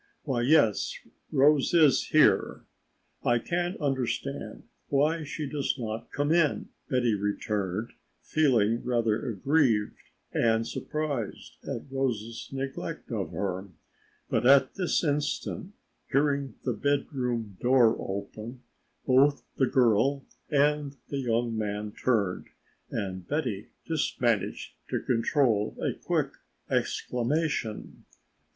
"Why, yes, Rose is here. I can't understand why she does not come in," Betty returned, feeling rather aggrieved and surprised at Rose's neglect of her. But at this instant, hearing the bedroom door open, both the girl and the young man turned and Betty just managed to control a quick exclamation.